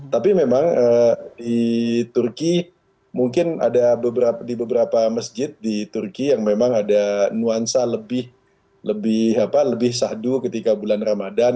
tapi memang di turki mungkin ada di beberapa masjid di turki yang memang ada nuansa lebih sahdu ketika bulan ramadan